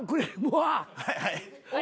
はいはい。